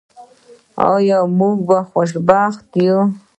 آیا موږ خوشبخته یو؟